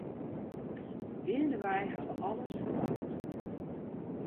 Geandewei ha we alles ferboud.